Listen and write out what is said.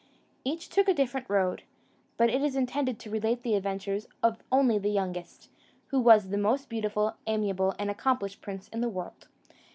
Each took a different road; but it is intended to relate the adventures of only the youngest, who was the most beautiful, amiable, and accomplished prince in the world.